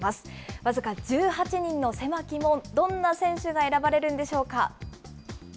僅か１８人の狭き門、どんな選手が選ばれるんでしょうか。